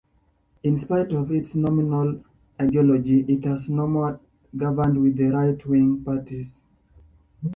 In spite of its nominal ideology, it has normally governed with the right-wing parties.